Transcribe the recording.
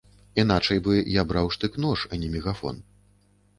Іначай бы я браў штык-нож, а не мегафон.